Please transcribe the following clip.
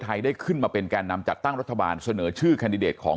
ได้ขึ้นมาเป็นแก่นำจัดตั้งรัฐบาลเสนอชื่อแคนดิเดตของ